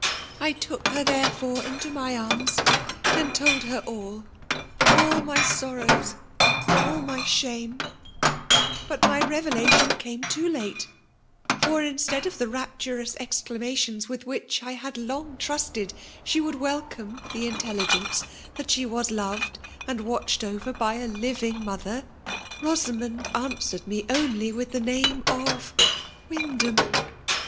I took her, liiezelbre^ into my ams^ and told her all, — aUl my sorrows^, all my shame ! But my revelatiaift came too late ; for, instead of the rapturous FKMAL8 DQMINAXU»V. 286 exelamatioBs with which I had loiig. trosted dta would wekome the inteUigeisce that ^m was loved and watched over by a living motherj «— Boaamond answered ine only with the name «f/ Wyndham.'